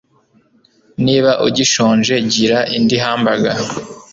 Niba ugishonje, gira indi hamburger.